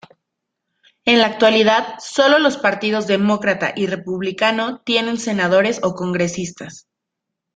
En la actualidad, solo los partidos Demócrata y Republicano tienen senadores o congresistas.